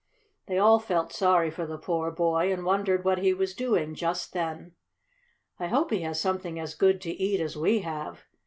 They all felt sorry for the poor boy, and wondered what he was doing just then. "I hope he has something as good to eat as we have."